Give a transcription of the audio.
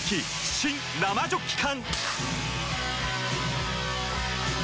新・生ジョッキ缶！